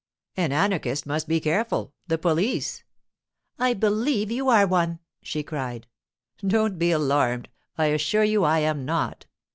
'An anarchist must be careful; the police——' 'I believe you are one!' she cried. 'Don't be alarmed. I assure you I am not.